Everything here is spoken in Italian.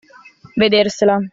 Vedersela.